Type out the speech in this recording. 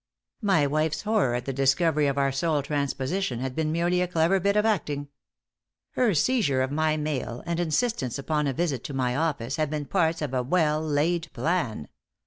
My wife's horror at the discovery of our soul transposition had been merely a clever bit of acting. Her seizure of my mail and insistence upon a visit to my office had been parts of a well laid plan.